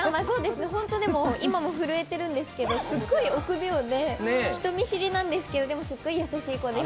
今も震えてるんですけど、臆病で、人見知りなんですけど、でもすごい優しい子です。